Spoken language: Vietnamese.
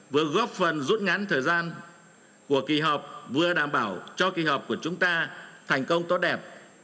vừa góp phần rút ngắn thời gian của kỳ họp vừa đảm bảo cho kỳ họp của chúng ta thành công tốt đẹp